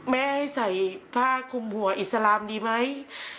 ให้ใส่ผ้าคุมหัวอิสลามดีไหม